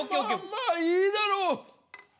まあまあいいだろう。